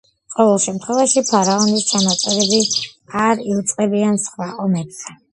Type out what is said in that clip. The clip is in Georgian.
ყოველ შემთხვევაში ფარაონის ჩანაწერები არ იუწყებიან სხვა ომებზე.